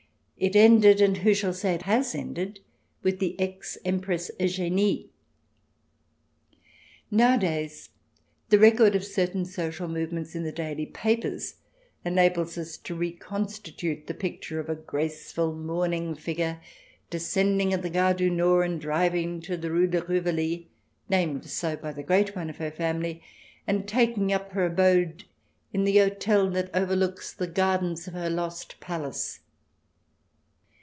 It ended — and who shall say it has ended ?— with the ex Empress Eugenie. Nowadays, the record of certain social movements iri the daily papers enables us to reconstitute the picture of a graceful mourning figure, descending at the Gare du Nord, and driving to the Rue de Rivoli (named so by the great one of her family), and taking up her abode in the hotel that overlooks the gardens of her lost palace.